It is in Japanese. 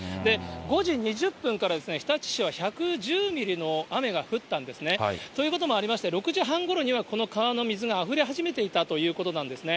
５時２０分からですね、日立市は１１０ミリの雨が降ったんですね。ということもありまして、６時半ごろにはこの川の水があふれ始めていたということなんですね。